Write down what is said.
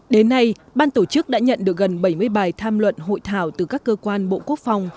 đến nay ban tổ chức đã nhận được gần bảy mươi bài tham luận hội thảo từ các cơ quan bộ quốc phòng